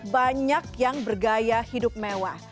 banyak yang bergaya hidup mewah